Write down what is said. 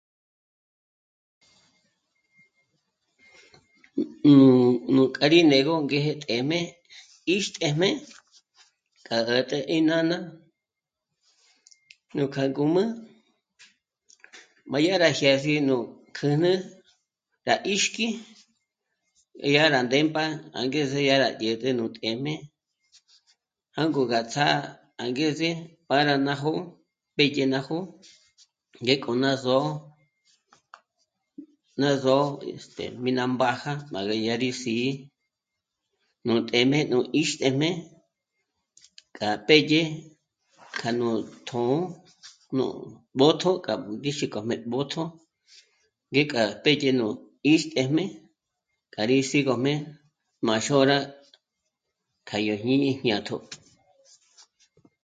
Nú k'a rí né'egö ngéje téjme 'íxtéjme k'a gä̌t'ü mí nána nú kja ngǔmü m'a dyá rá jyâs'i nú kjǘnü rá 'íxki dyá rá ndémp'a angeze dyá rá dyä̀t'ä nú téjme jângo gá ts'á angeze para ná jó'o pédye ná jó'o ngéko ná só'o, ná só'o este... mí ná mbàja pa ma dyá rí sí'i nú té'me nú 'íxtjeme k'a pédye kja nú tjō̌'ō nú b'ō̌tjo kja gú ngíxikjom'e b'ō̌tjo ngéka pédye nú 'íxtejm'e k'a rí sîgo mé'e má xôra kja yó jñíni jñátjo